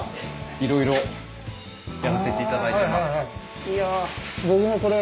いろいろやらせて頂いてます。